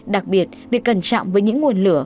đặc biệt việc cẩn trọng với những nguồn lửa